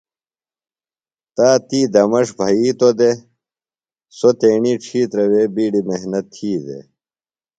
تی تا دمݜ بھیتو دےۡ۔ سوۡ تیݨی ڇھیترہ وے بیڈیۡ محنت تھی دے۔